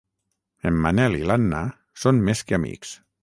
En Manel i l'Anna són més que amics.